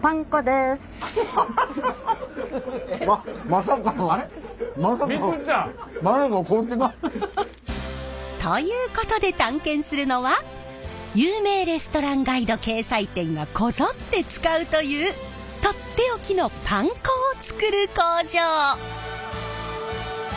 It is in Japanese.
まさかのこっちから。ということで探検するのは有名レストランガイド掲載店がこぞって使うという取って置きのパン粉を作る工場。